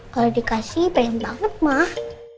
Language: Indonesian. kalau dikasih pengen banget mah